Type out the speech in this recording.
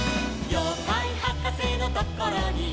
「ようかいはかせのところに」